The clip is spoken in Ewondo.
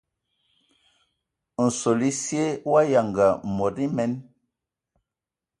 Nsol esye wa yanga mod emen.